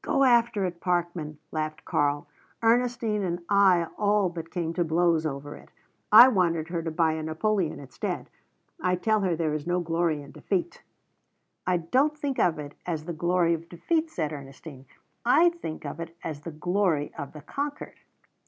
"Go after it, Parkman," laughed Karl. "Ernestine and I all but came to blows over it. I wanted her to buy a Napoleon instead. I tell her there is no glory in defeat." "I don't think of it as the glory of defeat," said Ernestine. "I think of it as the glory of the conquered."